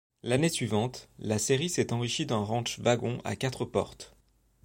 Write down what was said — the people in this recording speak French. L'année suivante, la série s'est enrichie d'une Ranch wagon à quatre portes.